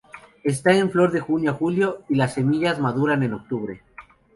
Está en flor de junio a julio, y las semillas maduran en octubre.